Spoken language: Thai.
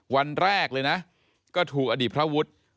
วันแรกเลยนะก็ถูกอดีตพระวุฒิ